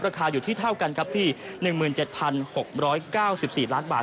ราคาอยู่ที่เท่ากันครับพี่๑๗๖๙๔ล้านบาท